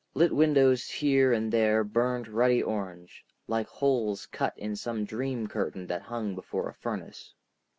Lit windows here and there burnt ruddy orange, like holes cut in some dream curtain that hung before a furnace.